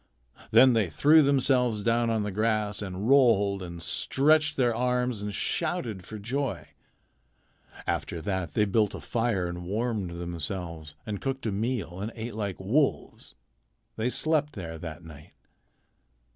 Then they threw themselves down on the grass and rolled and stretched their arms and shouted for joy. After that they built a fire and warmed themselves and cooked a meal and ate like wolves. They slept there that night.